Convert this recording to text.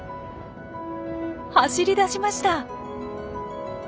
走り出しました。